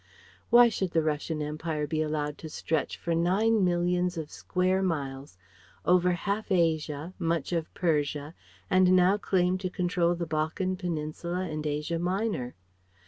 Why should the Russian Empire be allowed to stretch for nine millions of square miles over half Asia, much of Persia, and now claim to control the Balkan Peninsula and Asia Minor?